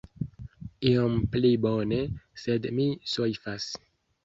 Iom pli bone, sed mi soifas.